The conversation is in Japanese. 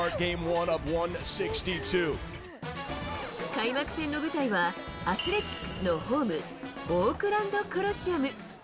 開幕戦の舞台は、アスレチックスのホーム、オークランド・コロシアム。